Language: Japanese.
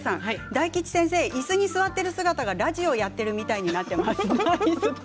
大吉先生、いすに座っている姿がラジオをやってるみたいになっています。